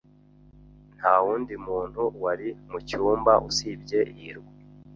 Nta wundi muntu wari mucyumba usibye hirwa.